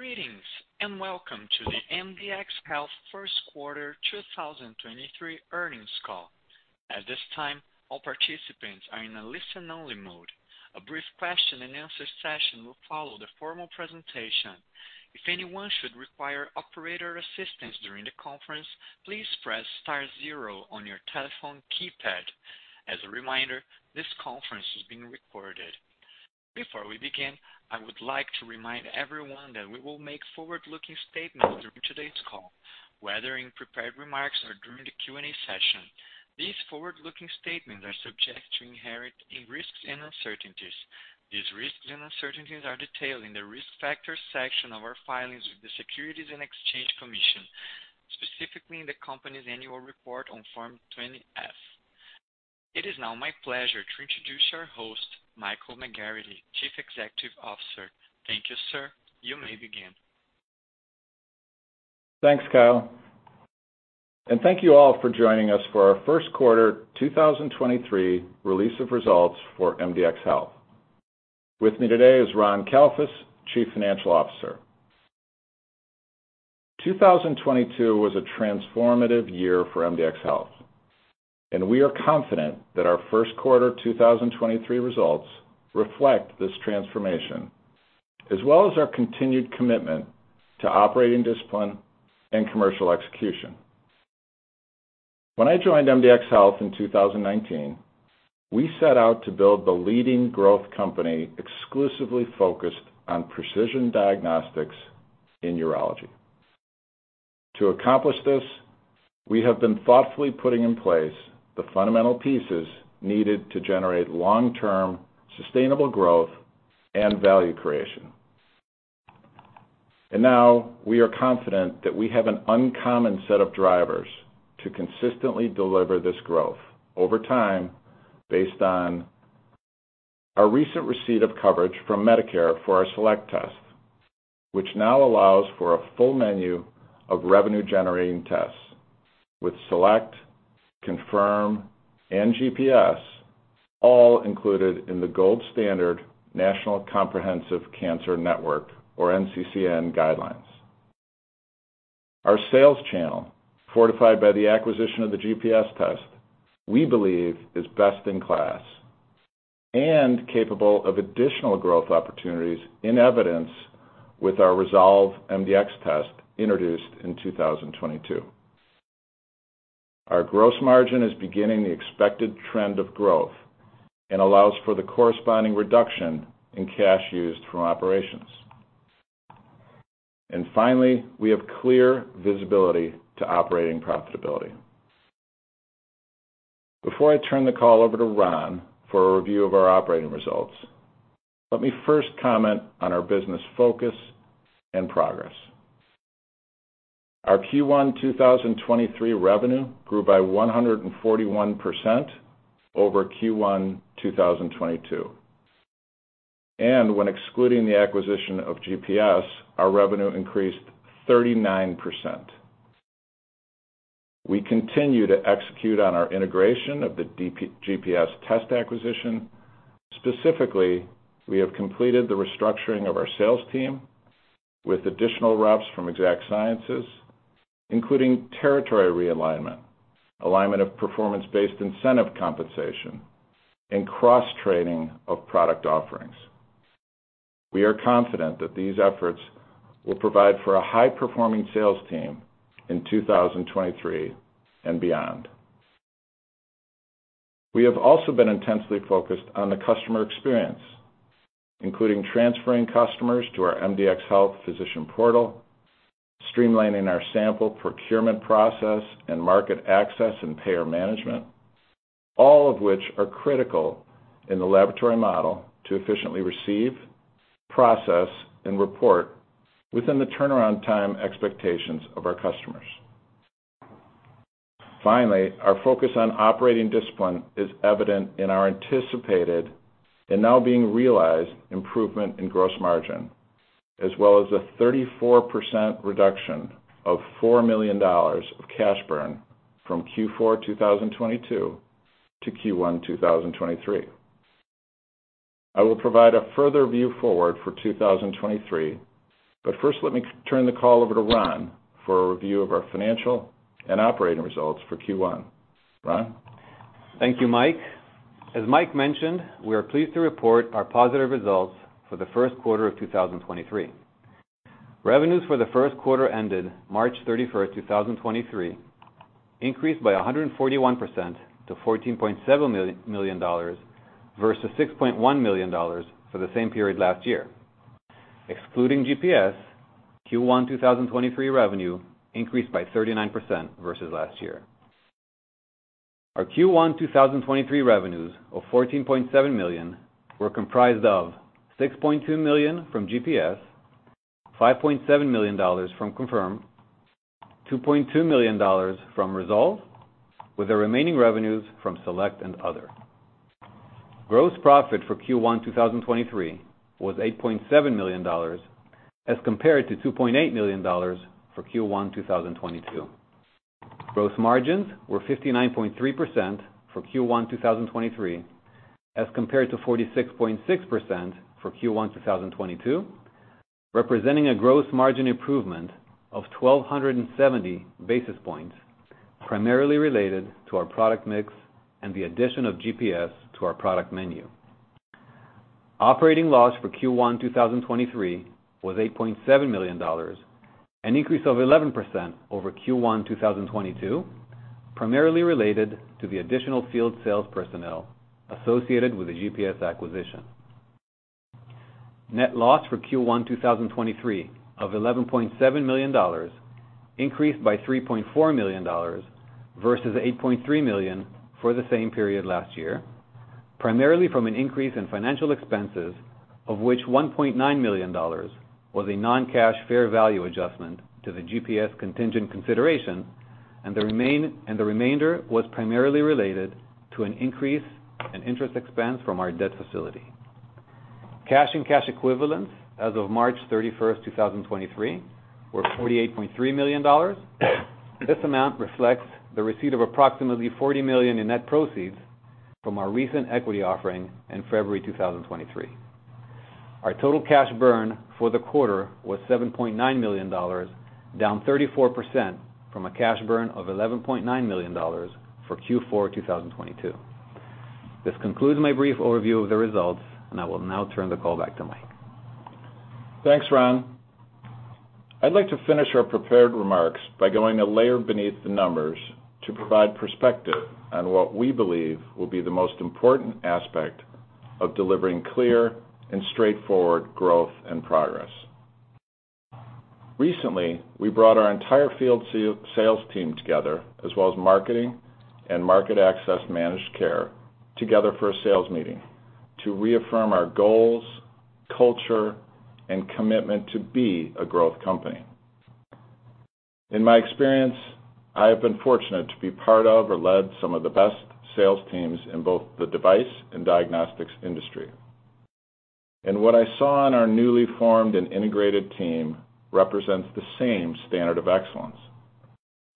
Greetings, welcome to the MDxHealth first quarter 2023 earnings call. At this time, all participants are in a listen only mode. A brief question and answer session will follow the formal presentation. If anyone should require operator assistance during the conference, please press star zero on your telephone keypad. As a reminder, this conference is being recorded. Before we begin, I would like to remind everyone that we will make forward-looking statements during today's call, whether in prepared remarks or during the Q&A session. These forward-looking statements are subject to inherent risks and uncertainties. These risks and uncertainties are detailed in the Risk Factors section of our filings with the Securities and Exchange Commission, specifically in the company's annual report on Form 20-F. It is now my pleasure to introduce our host, Michael McGerrity, Chief Executive Officer. Thank you, sir. You may begin. Thanks, Kyle, and thank you all for joining us for our first quarter 2023 release of results for MDxHealth. With me today is Ron Kalfus, Chief Financial Officer. 2022 was a transformative year for MDxHealth, and we are confident that our first quarter 2023 results reflect this transformation, as well as our continued commitment to operating discipline and commercial execution. When I joined MDxHealth in 2019, we set out to build the leading growth company exclusively focused on precision diagnostics in urology. To accomplish this, we have been thoughtfully putting in place the fundamental pieces needed to generate long-term sustainable growth and value creation. Now we are confident that we have an uncommon set of drivers to consistently deliver this growth over time based on our recent receipt of coverage from Medicare for our Select test, which now allows for a full menu of revenue generating tests with Select, Confirm, and GPS all included in the gold standard National Comprehensive Cancer Network, or NCCN guidelines. Our sales channel, fortified by the acquisition of the GPS test, we believe is best in class and capable of additional growth opportunities in evidence with our ResolveMDx test introduced in 2022. Our gross margin is beginning the expected trend of growth and allows for the corresponding reduction in cash used from operations. Finally, we have clear visibility to operating profitability. Before I turn the call over to Ron for a review of our operating results, let me first comment on our business focus and progress. Our Q1 2023 revenue grew by 141% over Q1 2022. When excluding the acquisition of GPS, our revenue increased 39%. We continue to execute on our integration of the GPS test acquisition. Specifically, we have completed the restructuring of our sales team with additional reps from Exact Sciences, including territory realignment, alignment of performance-based incentive compensation, and cross-training of product offerings. We are confident that these efforts will provide for a high-performing sales team in 2023 and beyond. We have also been intensely focused on the customer experience, including transferring customers to our MDxHealth physician portal, streamlining our sample procurement process and market access and payer management, all of which are critical in the laboratory model to efficiently receive, process, and report within the turnaround time expectations of our customers. Finally, our focus on operating discipline is evident in our anticipated and now being realized improvement in gross margin, as well as a 34% reduction of $4 million of cash burn from Q4 2022 to Q1 2023. First, let me turn the call over to Ron for a review of our financial and operating results for Q1. Ron? Thank you, Michael. As Michael mentioned, we are pleased to report our positive results for the first quarter of 2023. Revenues for the first quarter ended March 31st, 2023 increased by 141% to $14.7 million versus $6.1 million for the same period last year. Excluding GPS, Q1 2023 revenue increased by 39% versus last year. Our Q1 2023 revenues of $14.7 million were comprised of $6.2 million from GPS, $5.7 million from Confirm, $2.2 million from Resolve, with the remaining revenues from Select and other. Gross profit for Q1 2023 was $8.7 million as compared to $2.8 million for Q1 2022. Gross margins were 59.3% for Q1 2023 as compared to 46.6% for Q1 2022, representing a gross margin improvement of 1,270 basis points, primarily related to our product mix and the addition of GPS to our product menu. Operating loss for Q1 2023 was $8.7 million, an increase of 11% over Q1 2022, primarily related to the additional field sales personnel associated with the GPS acquisition. Net loss for Q1 2023 of $11.7 million increased by $3.4 million versus $8.3 million for the same period last year, primarily from an increase in financial expenses, of which $1.9 million was a non-cash fair value adjustment to the GPS contingent consideration. The remainder was primarily related to an increase in interest expense from our debt facility. Cash and cash equivalents as of March 31, 2023 were $48.3 million. This amount reflects the receipt of approximately $40 million in net proceeds from our recent equity offering in February 2023. Our total cash burn for the quarter was $7.9 million, down 34% from a cash burn of $11.9 million for Q4 2022. This concludes my brief overview of the results, and I will now turn the call back to Mike. Thanks, Ron. I'd like to finish our prepared remarks by going a layer beneath the numbers to provide perspective on what we believe will be the most important aspect of delivering clear and straightforward growth and progress. Recently, we brought our entire field sales team together as well as marketing and market access managed care together for a sales meeting to reaffirm our goals, culture, and commitment to be a growth company. In my experience, I have been fortunate to be part of or led some of the best sales teams in both the device and diagnostics industry. What I saw in our newly formed and integrated team represents the same standard of excellence.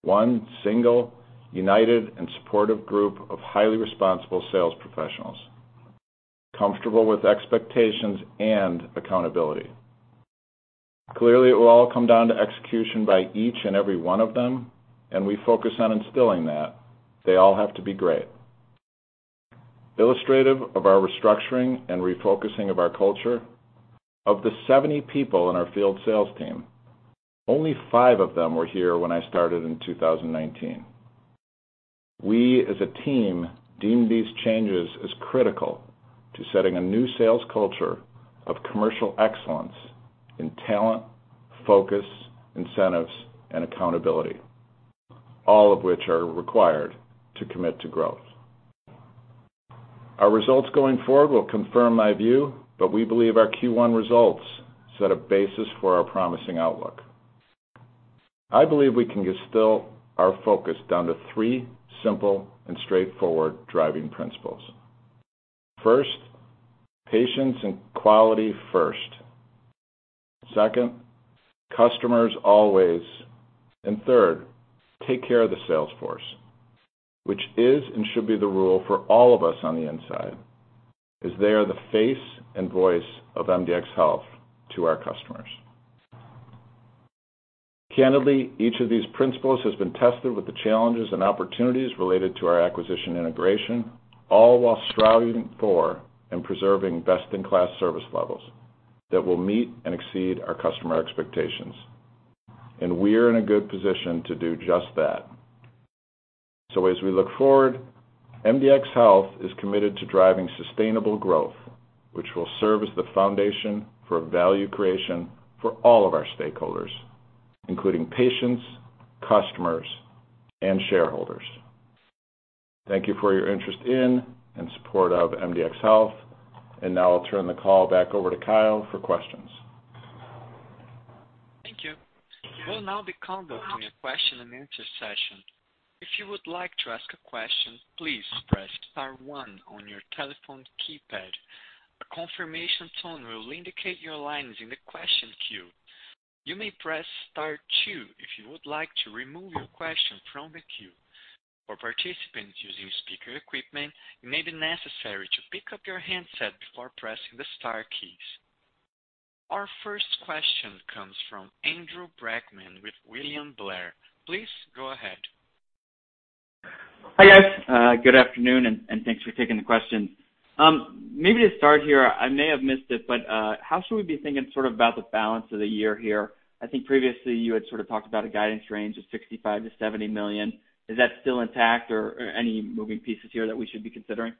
One single, united and supportive group of highly responsible sales professionals, comfortable with expectations and accountability. Clearly, it will all come down to execution by each and every one of them, and we focus on instilling that. They all have to be great. Illustrative of our restructuring and refocusing of our culture, of the 70 people in our field sales team, only five of them were here when I started in 2019. We, as a team, deem these changes as critical to setting a new sales culture of commercial excellence in talent, focus, incentives, and accountability, all of which are required to commit to growth. Our results going forward will confirm my view. We believe our Q1 results set a basis for our promising outlook. I believe we can distill our focus down to three simple and straightforward driving principles. First, patients and quality first. Second, customers always. Third, take care of the sales force, which is and should be the rule for all of us on the inside, as they are the face and voice of MDxHealth to our customers. Candidly, each of these principles has been tested with the challenges and opportunities related to our acquisition integration, all while striving for and preserving best-in-class service levels that will meet and exceed our customer expectations. We are in a good position to do just that. As we look forward, MDxHealth is committed to driving sustainable growth, which will serve as the foundation for value creation for all of our stakeholders, including patients, customers, and shareholders. Thank you for your interest in and support of MDxHealth. Now I'll turn the call back over to Kyle for questions. Thank you. We'll now be conducting a question and answer session. If you would like to ask a question, please press star one on your telephone keypad. A confirmation tone will indicate your line is in the question queue. You may press star two if you would like to remove your question from the queue. For participants using speaker equipment, it may be necessary to pick up your handset before pressing the star keys. Our first question comes from Andrew Brackmann with William Blair. Please go ahead. Hi, guys, good afternoon, and thanks for taking the questions. Maybe to start here, I may have missed it, but how should we be thinking sort of about the balance of the year here? I think previously you had sort of talked about a guidance range of $65 million-$70 million. Is that still intact or any moving pieces here that we should be considering?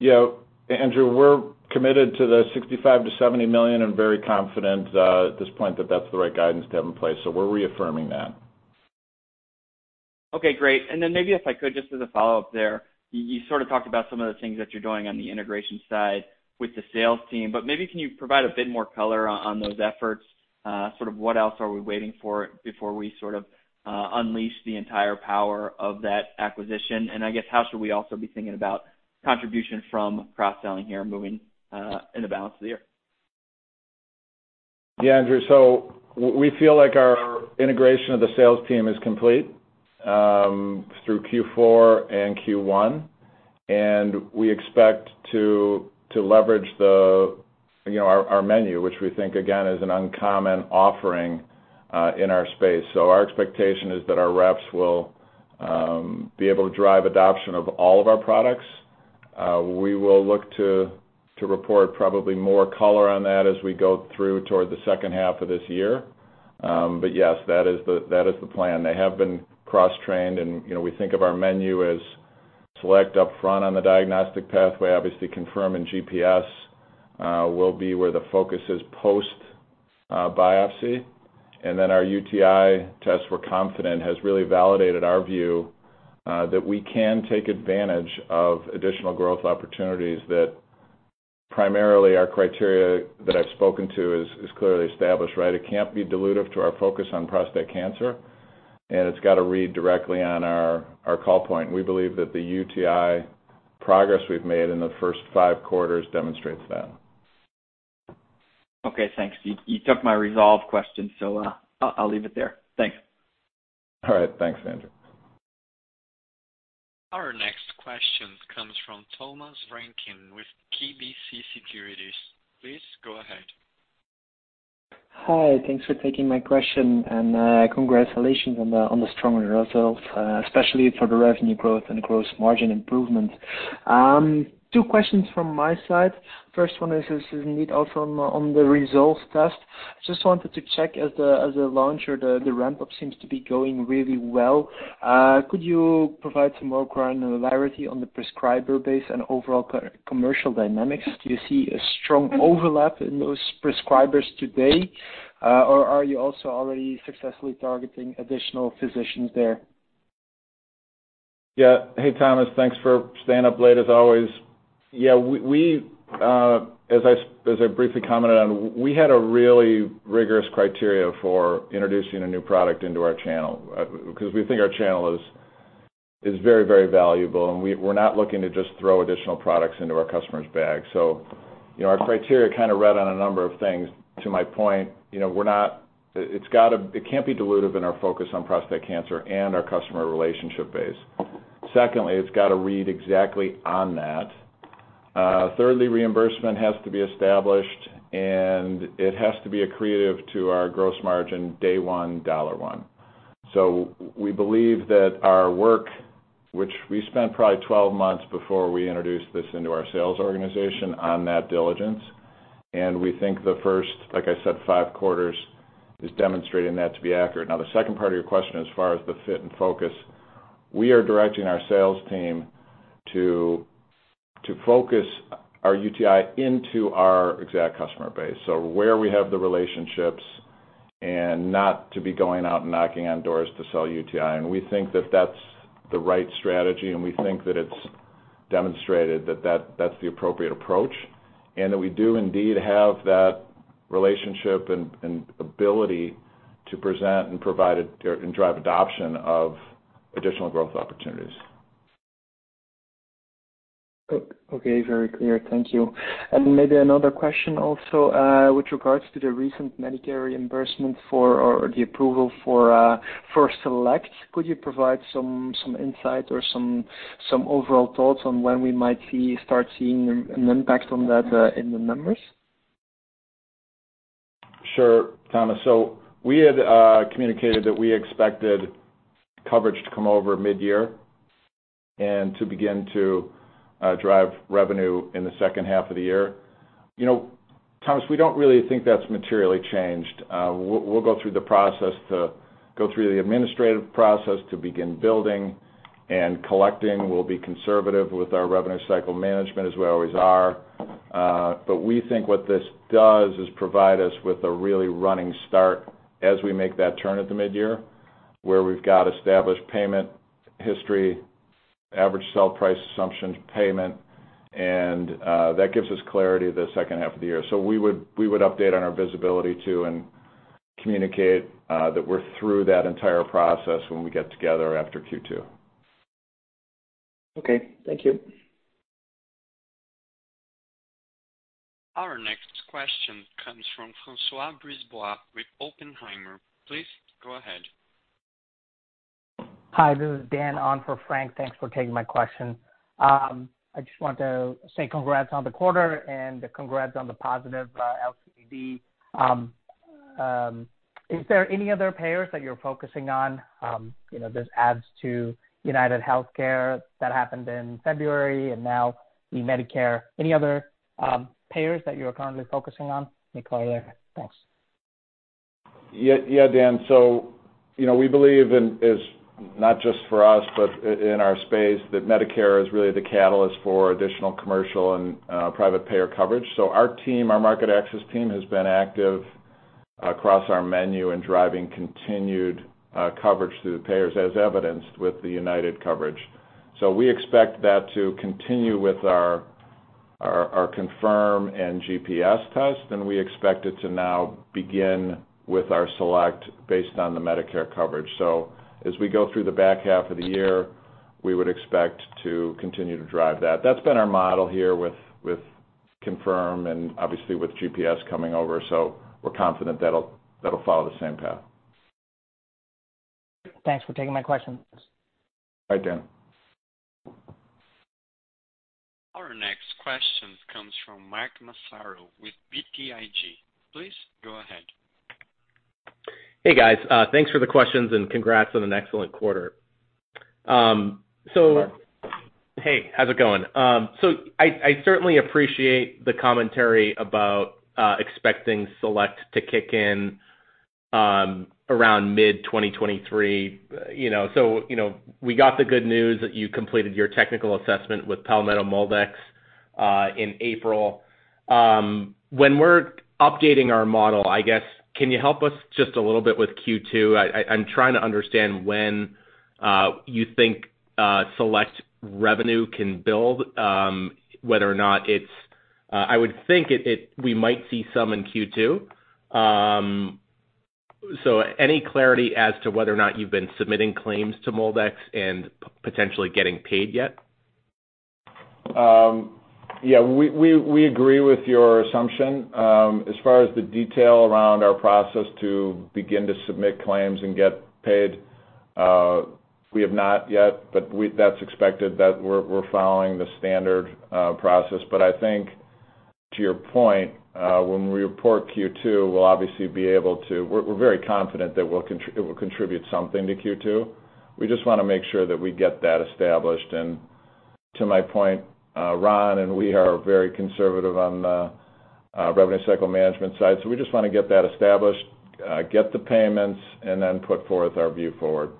Yeah, Andrew, we're committed to the $65 million-$70 million and very confident at this point that that's the right guidance to have in place. We're reaffirming that. Okay, great. Then maybe if I could just as a follow-up there, you sort of talked about some of the things that you're doing on the integration side with the sales team, maybe can you provide a bit more color on those efforts? Sort of what else are we waiting for before we sort of unleash the entire power of that acquisition? I guess how should we also be thinking about contribution from cross-selling here moving in the balance of the year? Andrew, we feel like our integration of the sales team is complete through Q4 and Q1, and we expect to leverage the, you know, our menu, which we think again is an uncommon offering in our space. Our expectation is that our reps will be able to drive adoption of all of our products. We will look to report probably more color on that as we go through toward the second half of this year. Yes, that is the plan. They have been cross-trained and, you know, we think of our menu as Select up front on the diagnostic pathway. Obviously, Confirm and GPS will be where the focus is post biopsy. Our UTI test, we're confident, has really validated our view that we can take advantage of additional growth opportunities that primarily our criteria that I've spoken to is clearly established, right? It can't be dilutive to our focus on prostate cancer, and it's gotta read directly on our call point. We believe that the UTI progress we've made in the first five quarters demonstrates that. Okay, thanks. You took my ResolveMDx question, so I'll leave it there. Thanks. All right, thanks, Andrew. Our next question comes from Thomas Ramquin with KBC Securities. Please go ahead. Hi, thanks for taking my question. Congratulations on the stronger results, especially for the revenue growth and gross margin improvement. Two questions from my side. First one is indeed also on the ResolveMDx test. Just wanted to check as the launch or the ramp-up seems to be going really well. Could you provide some more granularity on the prescriber base and overall co-commercial dynamics? Do you see a strong overlap in those prescribers today, or are you also already successfully targeting additional physicians there? Hey, Thomas. Thanks for staying up late as always. As I briefly commented on, we had a really rigorous criteria for introducing a new product into our channel because we think our channel is very, very valuable, and we're not looking to just throw additional products into our customers' bags. You know, our criteria kind of read on a number of things. To my point, you know, it can't be dilutive in our focus on prostate cancer and our customer relationship base. Secondly, it's gotta read exactly on that. Thirdly, reimbursement has to be established, and it has to be accretive to our gross margin day one, $1. We believe that our work, which we spent probably 12 months before we introduced this into our sales organization on that diligence, and we think the first, like I said, five quarters is demonstrating that to be accurate. The second part of your question, as far as the fit and focus, we are directing our sales team to focus our UTI into our exact customer base. Where we have the relationships and not to be going out and knocking on doors to sell UTI. We think that that's the right strategy, and we think that it's demonstrated that that's the appropriate approach, and that we do indeed have that relationship and ability to present and provide and drive adoption of additional growth opportunities. Okay, very clear. Thank you. Maybe another question also, with regards to the recent Medicare reimbursement for, or the approval for SelectMDx. Could you provide some insight or some overall thoughts on when we might start seeing an impact on that, in the numbers? Sure, Thomas. We had communicated that we expected coverage to come over mid-year and to begin to drive revenue in the second half of the year. You know, Thomas, we don't really think that's materially changed. We'll go through the process to go through the administrative process to begin building and collecting. We'll be conservative with our revenue cycle management as we always are. But we think what this does is provide us with a really running start as we make that turn at the mid-year, where we've got established payment history, average sell price assumptions, payment, and that gives us clarity the second half of the year. We would update on our visibility too and communicate that we're through that entire process when we get together after Q2. Okay, thank you. Our next question comes from François Brisebois with Oppenheimer. Please go ahead. Hi, this is Dan on for Frank. Thanks for taking my question. I just want to say congrats on the quarter and congrats on the positive LCD. Is there any other payers that you're focusing on? You know, this adds to UnitedHealthcare that happened in February and now the Medicare. Any other payers that you're currently focusing on? Nicole or Eric. Thanks. Yeah, yeah, Dan. You know, we believe in, as not just for us, but in our space, that Medicare is really the catalyst for additional commercial and private payer coverage. Our team, our market access team, has been active across our menu in driving continued coverage through the payers, as evidenced with the United coverage. We expect that to continue with our Confirm and GPS test, and we expect it to now begin with our Select based on the Medicare coverage. As we go through the back half of the year. We would expect to continue to drive that. That's been our model here with Confirm and obviously with GPS coming over. We're confident that'll follow the same path. Thanks for taking my questions. Bye, Dan. Our next question comes from Mark Massaro with BTIG. Please go ahead. Hey, guys. Thanks for the questions, and congrats on an excellent quarter. Mark. Hey, how's it going? I certainly appreciate the commentary about expecting Select to kick in around mid-2023. You know, you know, we got the good news that you completed your technical assessment with Palmetto MolDX in April. When we're updating our model, I guess, can you help us just a little bit with Q2? I, I'm trying to understand when you think Select revenue can build whether or not it's. I would think we might see some in Q2. Any clarity as to whether or not you've been submitting claims to MolDX and potentially getting paid yet? Yeah, we agree with your assumption. As far as the detail around our process to begin to submit claims and get paid, we have not yet, that's expected that we're following the standard process. I think to your point, when we report Q2, we'll obviously be able to. We're very confident that it will contribute something to Q2. We just wanna make sure that we get that established. To my point, Ron and we are very conservative on the revenue cycle management side. We just wanna get that established, get the payments, and then put forth our view forward.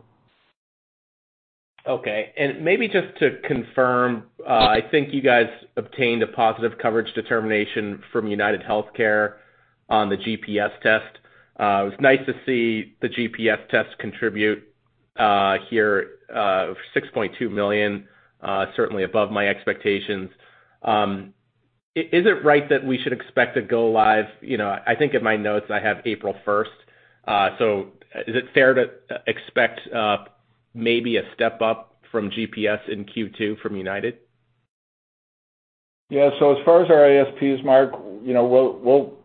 Okay. Maybe just to confirm, I think you guys obtained a positive coverage determination from UnitedHealthcare on the GPS test. It was nice to see the GPS test contribute here, $6.2 million, certainly above my expectations. Is it right that we should expect to go live... You know, I think in my notes I have April 1st. Is it fair to expect maybe a step up from GPS in Q2 from United? Yeah. As far as our ASPs, Mark, you know,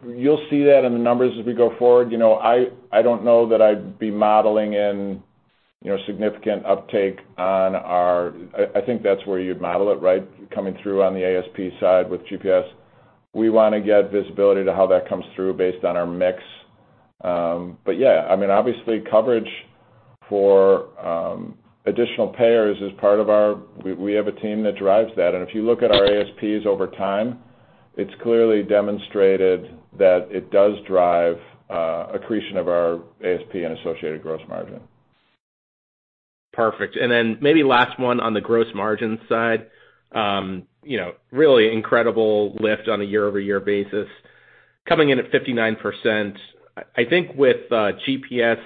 We'll see that in the numbers as we go forward. You know, I don't know that I'd be modeling in, you know, significant uptake. I think that's where you'd model it, right? Coming through on the ASP side with GPS. We wanna get visibility to how that comes through based on our mix. Yeah, I mean, obviously, coverage for additional payers. We have a team that drives that. If you look at our ASPs over time, it's clearly demonstrated that it does drive accretion of our ASP and associated gross margin. Perfect. Maybe last one on the gross margin side. you know, really incredible lift on a year-over-year basis. Coming in at 59%, I think with GPS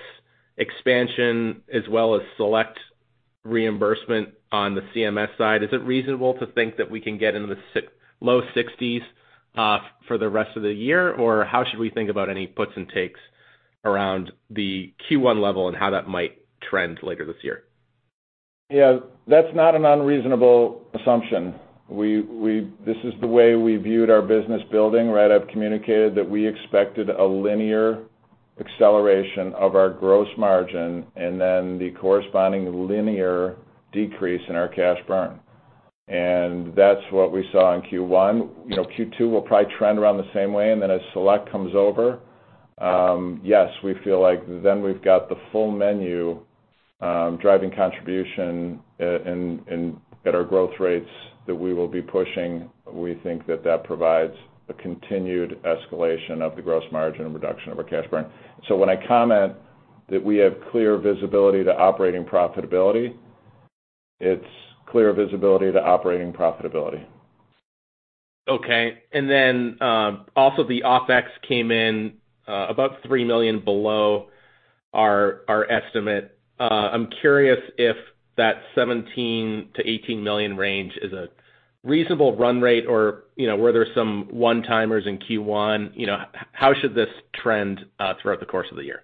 expansion as well as Select reimbursement on the CMS side, is it reasonable to think that we can get into the low 60s for the rest of the year? How should we think about any puts and takes around the Q1 level and how that might trend later this year? Yeah, that's not an unreasonable assumption. We... This is the way we viewed our business building, right? I've communicated that we expected a linear acceleration of our gross margin and then the corresponding linear decrease in our cash burn. That's what we saw in Q1. You know, Q2 will probably trend around the same way, and then as SelectMDx comes over, yes, we feel like then we've got the full menu, driving contribution at our growth rates that we will be pushing. We think that that provides a continued escalation of the gross margin and reduction of our cash burn. When I comment that we have clear visibility to operating profitability, it's clear visibility to operating profitability. Okay. Also the OpEx came in, about $3 million below our estimate. I'm curious if that $17 million-$18 million range is a reasonable run rate or, you know, were there some one-timers in Q1? You know, how should this trend throughout the course of the year?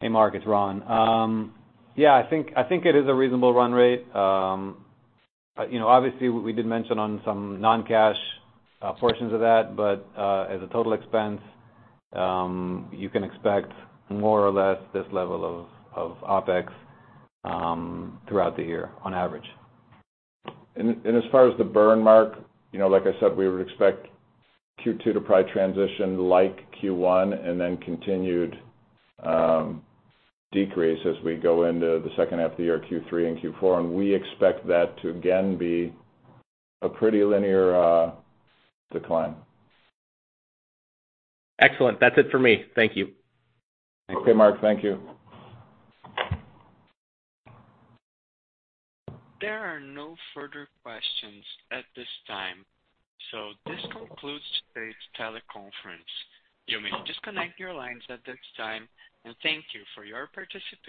Hey, Mark, it's Ron. Yeah, I think it is a reasonable run rate. You know, obviously we did mention on some non-cash portions of that. As a total expense, you can expect more or less this level of OpEx throughout the year on average. As far as the burn, Mark, you know, like I said, we would expect Q2 to probably transition like Q1 and then continued decrease as we go into the second half of the year, Q3 and Q4. We expect that to again be a pretty linear decline. Excellent. That's it for me. Thank you. Okay, Mark. Thank you. There are no further questions at this time. This concludes today's teleconference. You may disconnect your lines at this time. Thank you for your participation.